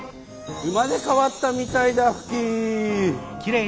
うまれかわったみたいだフキ。